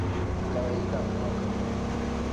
akaba yiga mu mwaka wa mbere